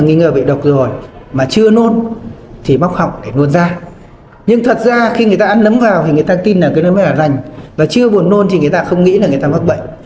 nôn thì móc họng để nôn ra nhưng thật ra khi người ta ăn nấm vào thì người ta tin là nó mới là rành và chưa buồn nôn thì người ta không nghĩ là người ta mắc bệnh